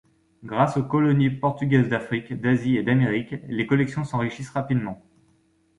Grâce aux colonies portugaises d’Afrique, d’Asie et d’Amérique, les collections s’enrichissent rapidement.